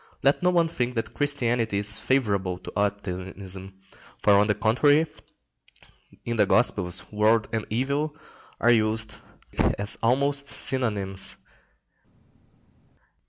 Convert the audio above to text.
Let no one think that Christianity is favourable to optimism; for, on the contrary, in the Gospels world and evil are used as almost synonymous.